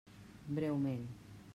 Breument.